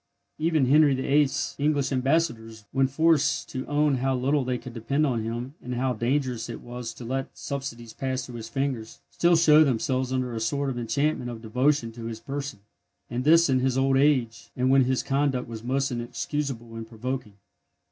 Even Henry VIII.'s English ambassadors, when forced to own how little they could depend on him, and how dangerous it was to let subsidies pass through his fingers, still show themselves under a sort of enchantment of devotion to his person, and this in his old age, and when his conduct was most inexcusable and provoking.